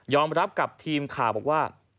รับกับทีมข่าวบอกว่า